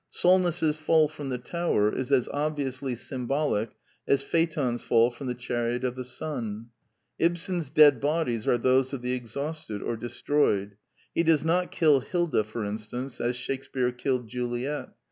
Solness's fall from the tower is as obviously symbolic as Phaeton's fall from the chariot of the sun. Ibsen's dead bodies are those of the exhausted or destroyed: he does not kill Hilda, for instance, as Shakespear killed Juliet.